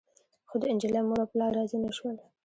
خو د نجلۍ مور او پلار راضي نه شول.